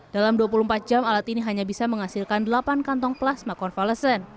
dalam dua puluh empat jam alat ini hanya bisa menghasilkan delapan kantong plasma konvalesen